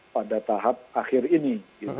pada tahap akhir ini